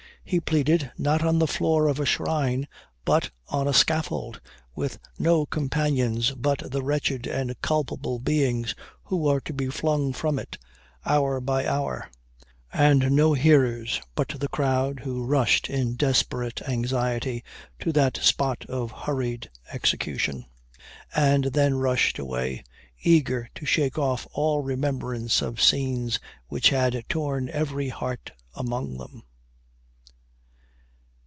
He pleaded, not on the floor of a shrine, but on a scaffold; with no companions but the wretched and culpable beings who were to be flung from it, hour by hour; and no hearers but the crowd, who rushed in desperate anxiety to that spot of hurried execution and then rushed away, eager to shake off all remembrance of scenes which had torn every heart among them."